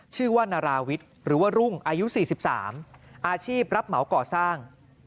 ชื่อว่านาราวิทย์หรือว่ารุ่งอายุ๔๓อาชีพรับเหมาก่อสร้าง